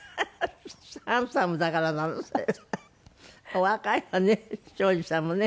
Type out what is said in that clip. お若いわね東海林さんもね。